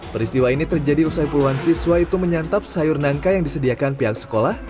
peristiwa ini terjadi usai puluhan siswa itu menyantap sayur nangka yang disediakan pihak sekolah